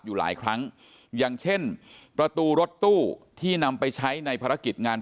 อยู่หลายครั้งอย่างเช่นประตูรถตู้ที่นำไปใช้ในภารกิจงาน